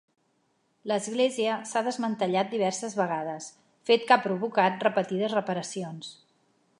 L'església s'ha desmantellat diverses vegades, fet que ha provocat repetides reparacions.